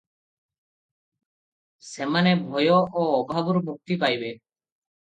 ସେମାନେ ଭୟ ଓ ଅଭାବରୁ ମୁକ୍ତି ପାଇବେ ।